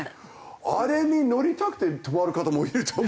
あれに乗りたくて泊まる方もいると思うんですよね。